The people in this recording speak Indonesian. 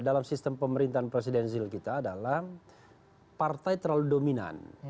dalam sistem pemerintahan presidensil kita adalah partai terlalu dominan